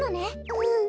うん。